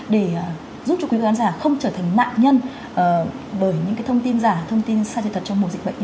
để giúp cho quý vị khán giả không trở thành nạn nhân